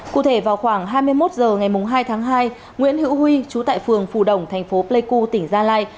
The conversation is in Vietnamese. cụ thể vào khoảng hai mươi một h ngày mùng hai tháng hai nguyễn hữu huy chú tại phường phù đồng tp pleiku tỉnh gia lai